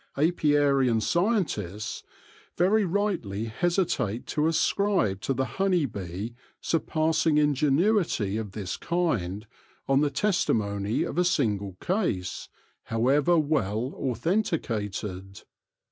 Apiarian scientists very rightly hesitate to ascribe to the honey bee surpassing ingenuity of this kind on the testimony of a single case, however well authenticated.